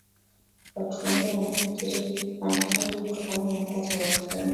watu wengi wanafariki kutokana na athari za ukimwi